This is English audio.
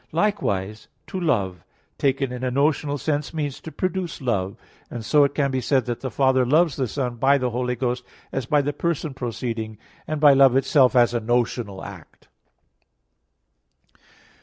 Likewise to love, taken in a notional sense, means to produce love; and so it can be said that the Father loves the Son by the Holy Ghost, as by the person proceeding, and by Love itself as a notional act.